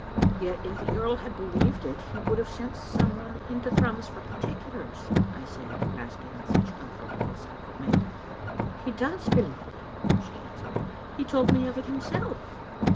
" Yet if the earl had believed it he would have sent some one into Thrums for particulars, " I said, grasping at such comfort as I could make. "He does believe it," she answered. "He told me of it himself."